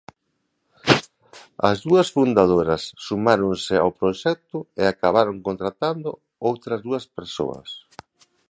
As dúas fundadoras sumáronse ao proxecto e acabaron contratando outras dúas persoas.